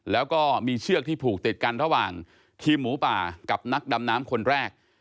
แล้วก็มีเชือกที่ผูกติดกันระหว่างทีมหมูป่ากับนักดำน้ำคนแรก